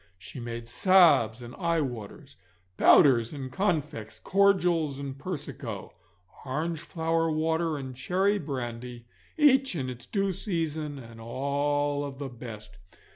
She made salves and eyewaters, powders and confects, cordials and persico, orangeflower water and cherry brandy, each in its due season, and all of the best.